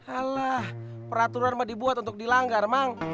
alah peraturan mau dibuat untuk dilanggar mang